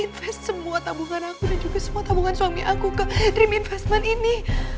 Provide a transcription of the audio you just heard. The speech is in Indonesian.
invest semua tabungan aku dan juga semua tabungan suami aku ke dream investment ini